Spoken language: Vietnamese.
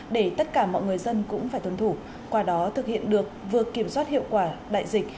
để tất cả mọi người dân cũng phải tuân thủ qua đó thực hiện được vừa kiểm soát hiệu quả đại dịch